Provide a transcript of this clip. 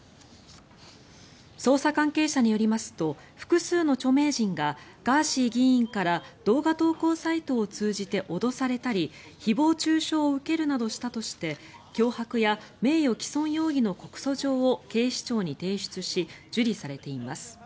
捜査関係者によりますと複数の著名人がガーシー議員から動画投稿サイトを通じて脅されたり誹謗・中傷を受けるなどしたとして脅迫や名誉毀損容疑の告訴状を警視庁に提出し受理されています。